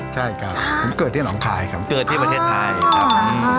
ใช่ครับผมเกิดที่หนองคายครับเกิดที่ประเทศไทยครับ